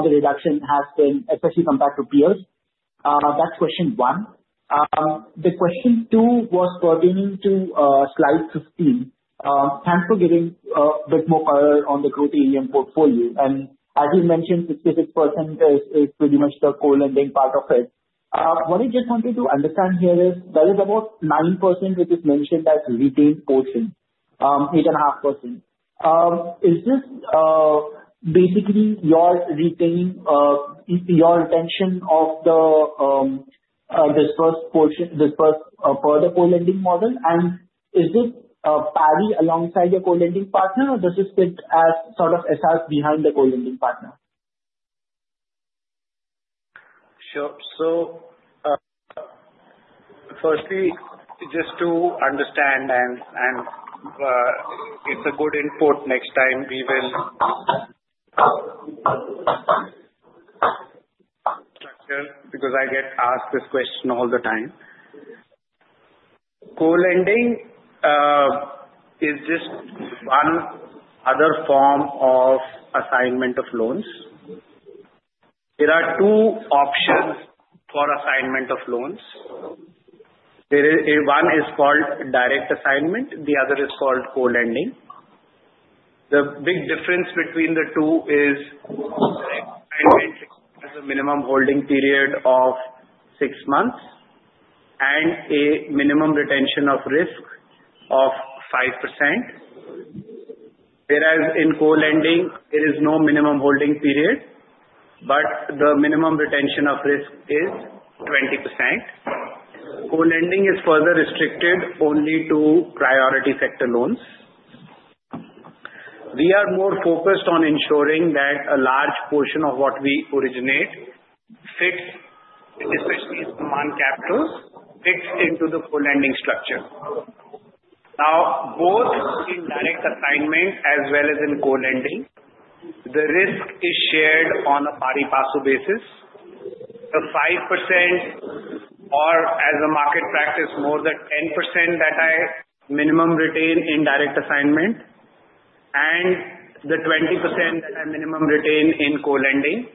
the reduction has been, especially compared to peers? That's question one. The second question was pertaining to slide 15. Thanks for giving a bit more color on the Growth AUM portfolio. And as you mentioned, 66% is pretty much the co-lending part of it. What I just wanted to understand here is there is about 9% which is mentioned as retained portion, 8.5%. Is this basically your retention of the disbursed portion for the co-lending model? Is it parity alongside your co-lending partner, or does it sit as sort of SRs behind the co-lending partner? Sure. So firstly, just to understand. And it's a good input next time we will structure because I get asked this question all the time. Co-lending is just one other form of assignment of loans. There are two options for assignment of loans. One is called direct assignment. The other is called co-lending. The big difference between the two is direct assignment has a minimum holding period of six months and a minimum retention of risk of 5%. Whereas in co-lending, there is no minimum holding period, but the minimum retention of risk is 20%. Co-lending is further restricted only to Priority Sector loans. We are more focused on ensuring that a large portion of what we originate fits, especially Sammaan Capital's, fits into the co-lending structure. Now, both in direct assignment as well as in co-lending, the risk is shared on a pari passu basis. The 5%, or as a market practice, more than 10% that I minimum retain in direct assignment, and the 20% that I minimum retain in co-lending,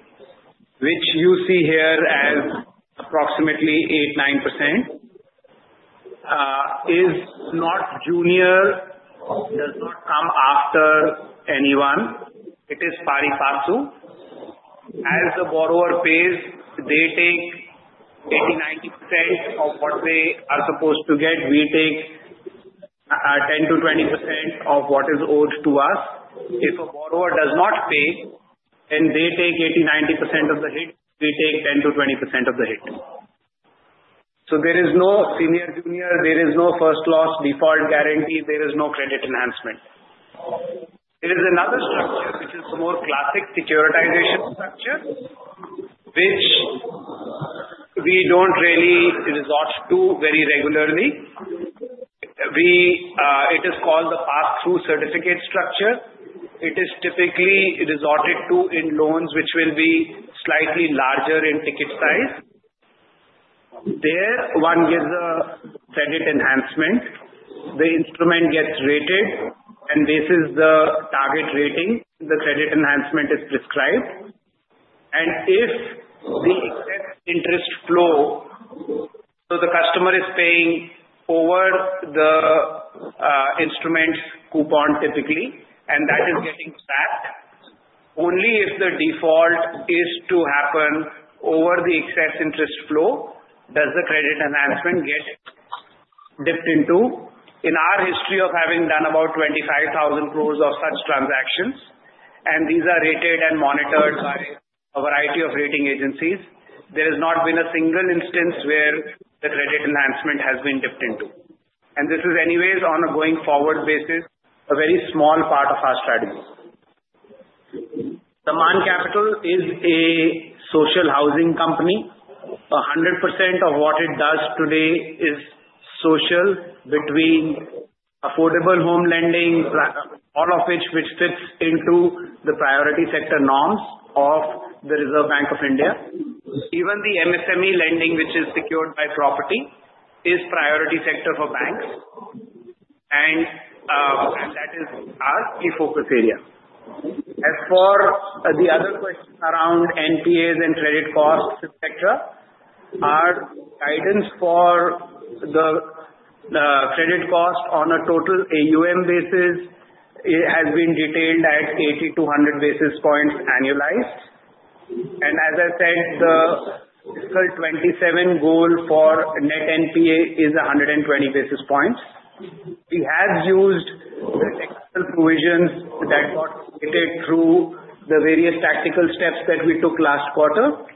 which you see here as approximately 8-9%, is not junior, does not come after anyone. It is pari passu. As the borrower pays, they take 80-90% of what they are supposed to get. We take 10-20% of what is owed to us. If a borrower does not pay, then they take 80-90% of the hit. We take 10-20% of the hit. So there is no senior-junior. There is no first loss default guarantee. There is no credit enhancement. There is another structure which is a more classic securitization structure, which we don't really resort to very regularly. It is called the pass-through certificate structure. It is typically resorted to in loans which will be slightly larger in ticket size. There, one gives a credit enhancement. The instrument gets rated, and this is the target rating. The credit enhancement is prescribed. And if the excess interest flow so the customer is paying over the instrument's coupon typically, and that is getting stacked, only if the default is to happen over the excess interest flow, does the credit enhancement get dipped into. In our history of having done about 25,000 crores of such transactions, and these are rated and monitored by a variety of rating agencies, there has not been a single instance where the credit enhancement has been dipped into. And this is anyways on a going-forward basis, a very small part of our strategy. Sammaan Capital is a social housing company. 100% of what it does today is so-called affordable home lending, all of which fits into the Priority Sector norms of the Reserve Bank of India. Even the MSME lending, which is secured by property, is Priority Sector for banks. That is our key focus area. As for the other question around NPAs and credit costs, etc., our guidance for the credit cost on a total AUM basis has been detailed at 8,200 basis points annualized. As I said, the fiscal 27 goal for net NPA is 120 basis points. We have used the technical provisions that got created through the various tactical steps that we took last quarter.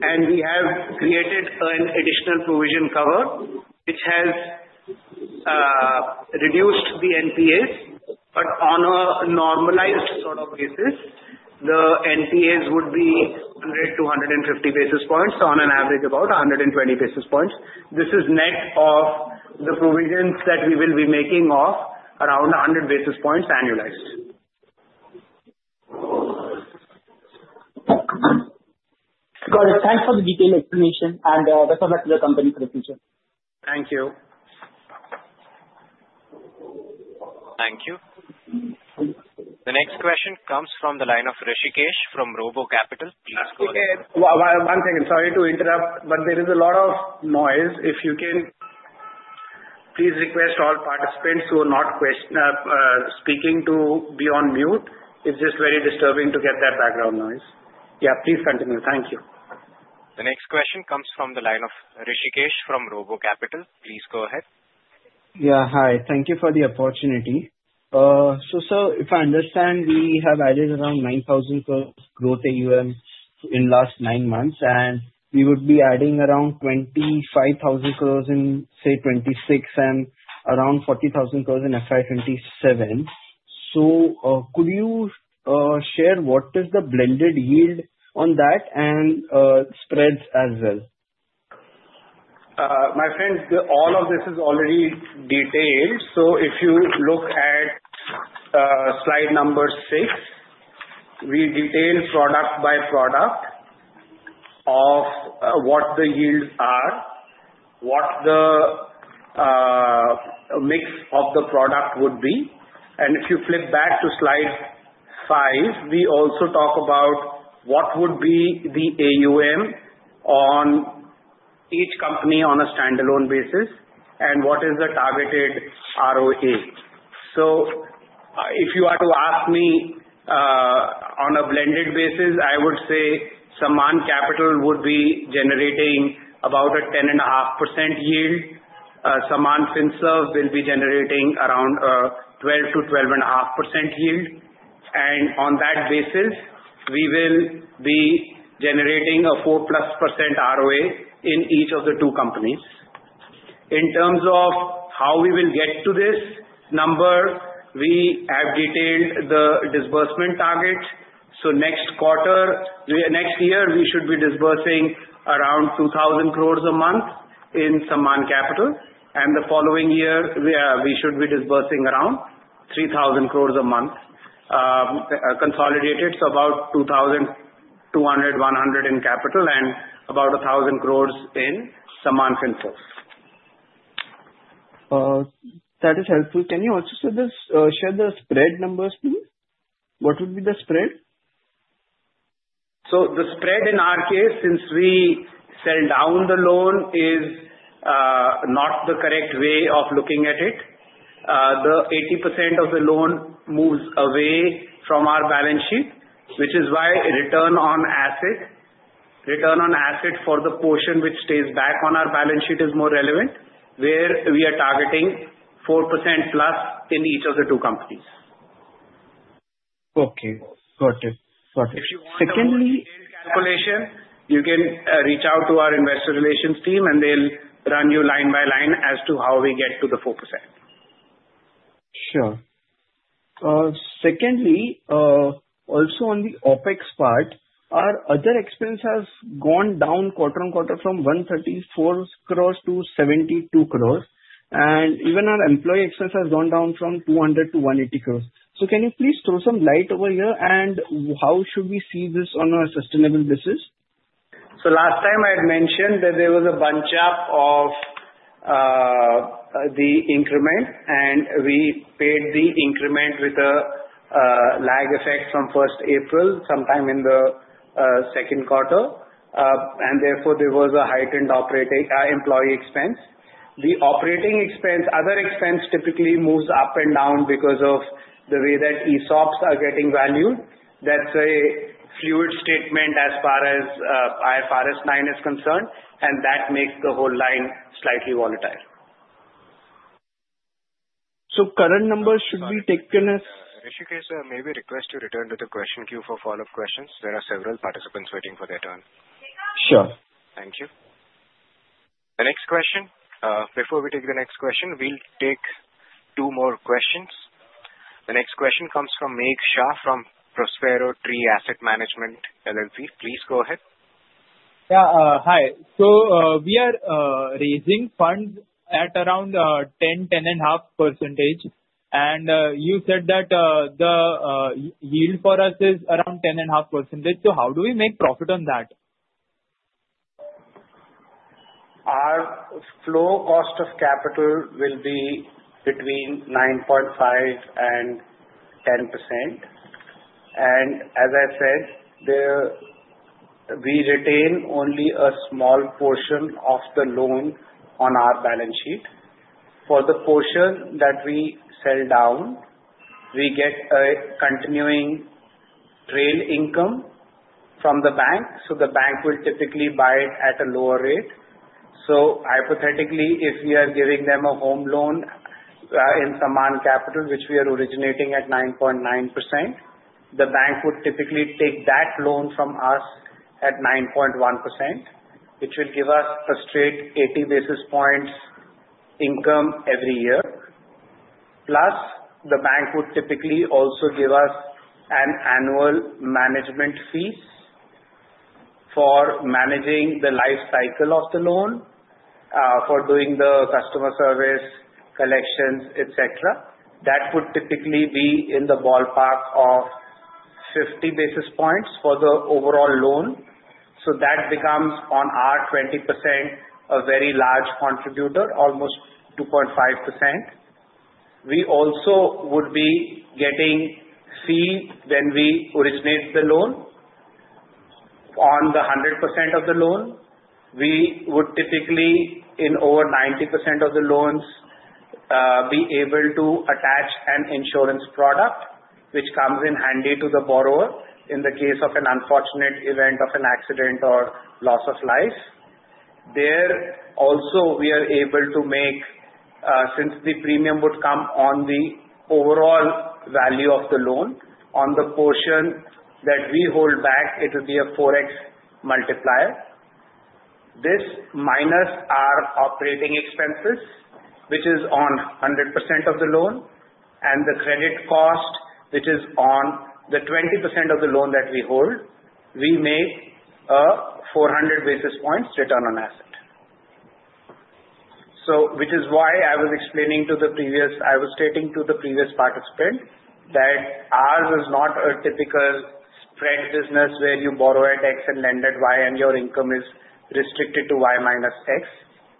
We have created an additional provision cover which has reduced the NPAs. But on a normalized sort of basis, the NPAs would be 100-150 basis points. On an average, about 120 basis points. This is net of the provisions that we will be making of around 100 basis points annualized. Got it. Thanks for the detailed explanation. And best of luck to the company for the future. Thank you. Thank you. The next question comes from the line of Rishikesh from RoboCapital. Please go ahead. One second. Sorry to interrupt, but there is a lot of noise. If you can please request all participants who are not speaking to be on mute. It's just very disturbing to get that background noise. Yeah, please continue. Thank you. The next question comes from the line of Rishikesh from RoboCapital. Please go ahead. Yeah. Hi. Thank you for the opportunity. So sir, if I understand, we have added around 9,000 crores of Growth AUM in the last nine months. And we would be adding around 25,000 crores in, say, 2026, and around 40,000 crores in FY 2027. So could you share what is the blended yield on that and spreads as well? My friend, all of this is already detailed. So if you look at slide number six, we detail product by product of what the yields are, what the mix of the product would be. And if you flip back to slide five, we also talk about what would be the AUM on each company on a standalone basis and what is the targeted ROA. So if you are to ask me on a blended basis, I would say Sammaan Capital would be generating about a 10.5% yield. Sammaan Finserve will be generating around 12-12.5% yield. And on that basis, we will be generating a 4+ % ROA in each of the two companies. In terms of how we will get to this number, we have detailed the disbursement target. So next quarter, next year, we should be disbursing around 2,000 crores a month in Sammaan Capital. And the following year, we should be disbursing around 3,000 crores a month consolidated. So about 2,200, 100 in capital, and about 1,000 crores in Sammaan Finserve. That is helpful. Can you also share the spread numbers to me? What would be the spread? So the spread in our case, since we sell down the loan, is not the correct way of looking at it. The 80% of the loan moves away from our balance sheet, which is why Return on Assets, Return on Assets for the portion which stays back on our balance sheet is more relevant, where we are targeting 4%+ in each of the two companies. Okay. Got it. Got it. If you want a detailed calculation, you can reach out to our investor relations team, and they'll run you line by line as to how we get to the 4%. Sure. Secondly, also on the OpEx part, our other expenses have gone down quarter on quarter from 134 crores to 72 crores. And even our employee expenses have gone down from 200 crores to 180 crores. So can you please throw some light over here? And how should we see this on a sustainable basis? So last time, I had mentioned that there was a bunch up of the increment, and we paid the increment with a lag effect from first April, sometime in the second quarter, and therefore, there was a heightened employee expense. The operating expense, other expense typically moves up and down because of the way that ESOPs are getting valued. That's a fluid statement as far as IFRS 9 is concerned, and that makes the whole line slightly volatile. Current numbers should be taken as. Rishikesh, may we request you return to the question queue for follow-up questions? There are several participants waiting for their turn. Sure. Thank you. The next question, before we take the next question, we'll take two more questions. The next question comes from Megh Shah from Prospero Tree Financial Services LLP. Please go ahead. Yeah. Hi. So we are raising funds at around 10-10.5%. And you said that the yield for us is around 10.5%. So how do we make profit on that? Our flow cost of capital will be between 9.5%-10%. And as I said, we retain only a small portion of the loan on our balance sheet. For the portion that we sell down, we get a continuing trail income from the bank. So the bank will typically buy it at a lower rate. So hypothetically, if we are giving them a home loan in Sammaan Capital, which we are originating at 9.9%, the bank would typically take that loan from us at 9.1%, which will give us a straight 80 basis points income every year. Plus, the bank would typically also give us an annual management fee for managing the life cycle of the loan, for doing the customer service collections, etc. That would typically be in the ballpark of 50 basis points for the overall loan. So that becomes, on our 20%, a very large contributor, almost 2.5%. We also would be getting fee when we originate the loan. On the 100% of the loan, we would typically, in over 90% of the loans, be able to attach an insurance product, which comes in handy to the borrower in the case of an unfortunate event of an accident or loss of life. There also, we are able to make, since the premium would come on the overall value of the loan, on the portion that we hold back, it would be a 4x multiplier. This minus our operating expenses, which is on 100% of the loan, and the credit cost, which is on the 20% of the loan that we hold, we make a 400 basis points return on asset. So which is why I was stating to the previous participant that ours is not a typical spread business where you borrow at X and lend at Y, and your income is restricted to Y - X.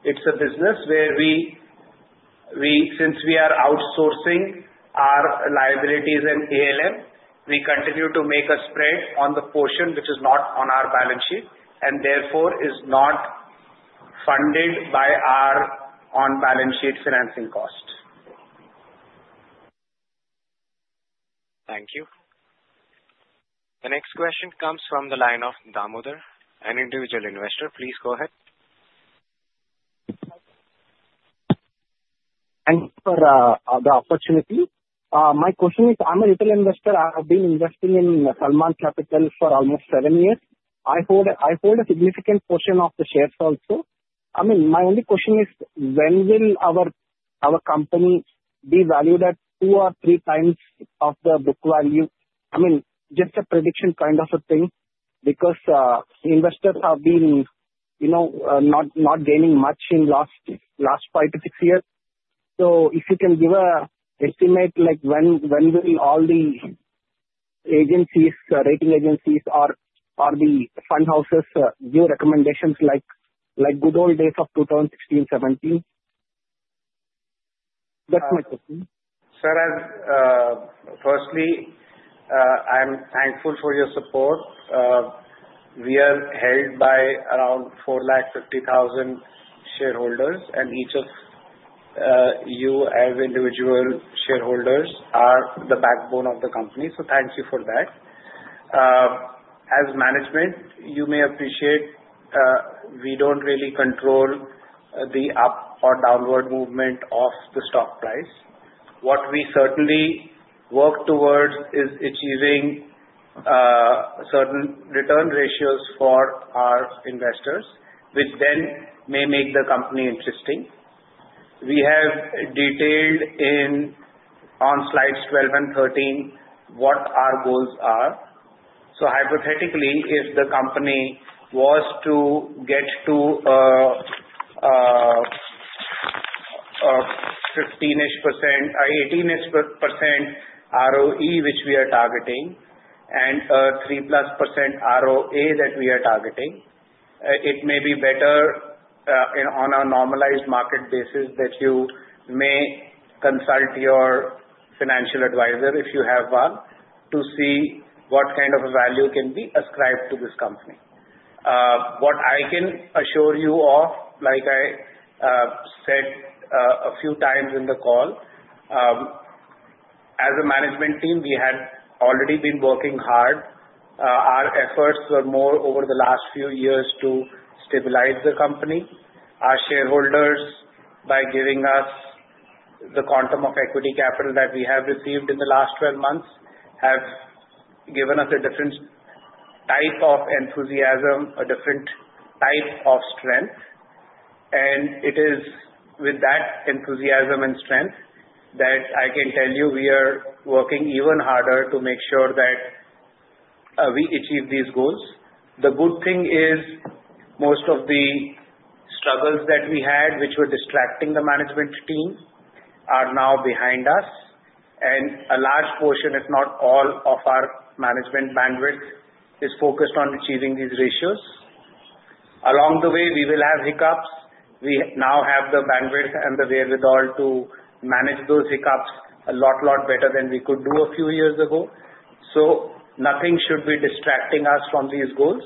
It's a business where we, since we are outsourcing our liabilities and ALM, we continue to make a spread on the portion which is not on our balance sheet and therefore is not funded by our on-balance sheet financing cost. Thank you. The next question comes from the line of Damodar. An individual investor, please go ahead. Thank you for the opportunity. My question is, I'm a retail investor. I have been investing in Sammaan Capital for almost seven years. I hold a significant portion of the shares also. I mean, my only question is, when will our company be valued at 2-3x of the book value? I mean, just a prediction kind of a thing because investors have been not gaining much in the last 5-6 years. So if you can give an estimate, when will all the rating agencies or the fund houses give recommendations like good old days of 2016-2017? That's my question. Sir, firstly, I'm thankful for your support. We are held by around 450,000 shareholders. And each of you, as individual shareholders, are the backbone of the company. So thank you for that. As management, you may appreciate we don't really control the up or downward movement of the stock price. What we certainly work towards is achieving certain return ratios for our investors, which then may make the company interesting. We have detailed on slides 12 and 13 what our goals are. So hypothetically, if the company was to get to a 15-ish %, 18-ish % ROE, which we are targeting, and 3+ % ROA that we are targeting, it may be better on a normalized market basis that you may consult your financial advisor, if you have one, to see what kind of a value can be ascribed to this company. What I can assure you of, like I said a few times in the call, as a management team, we had already been working hard. Our efforts were more over the last few years to stabilize the company. Our shareholders, by giving us the quantum of equity capital that we have received in the last 12 months, have given us a different type of enthusiasm, a different type of strength. And it is with that enthusiasm and strength that I can tell you we are working even harder to make sure that we achieve these goals. The good thing is most of the struggles that we had, which were distracting the management team, are now behind us. And a large portion, if not all, of our management bandwidth is focused on achieving these ratios. Along the way, we will have hiccups. We now have the bandwidth and the wherewithal to manage those hiccups a lot, lot better than we could do a few years ago. So nothing should be distracting us from these goals,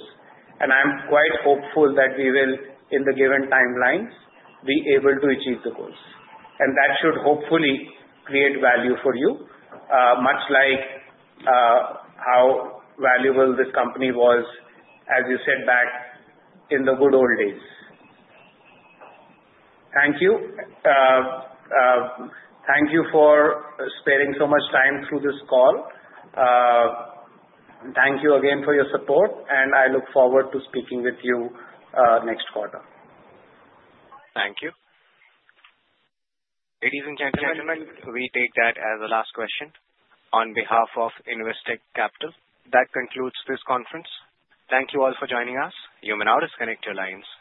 and I'm quite hopeful that we will, in the given timelines, be able to achieve the goals, and that should hopefully create value for you, much like how valuable this company was, as you said, back in the good old days. Thank you. Thank you for sparing so much time through this call. Thank you again for your support, and I look forward to speaking with you next quarter. Thank you. Ladies and gentlemen, we take that as a last question on behalf of Investec Capital. That concludes this conference. Thank you all for joining us. You may now disconnect your lines.